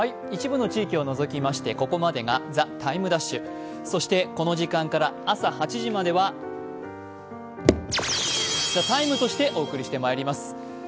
一部の地域を除きまして、ここまでが「ＴＩＭＥ’」この時間から朝８時までは「ＴＨＥＴＩＭＥ，」としてお送りしてまいります。